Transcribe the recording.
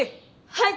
はい！